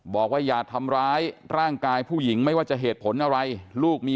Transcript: อย่าทำร้ายร่างกายผู้หญิงไม่ว่าจะเหตุผลอะไรลูกมี